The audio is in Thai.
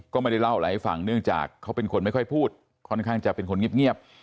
ก็ไม่ได้เล่าอะไรให้ฟังเนื่องจากเขาเป็นคนไม่ค่อยพูดค่อนข้างจะเป็นคนเงียบ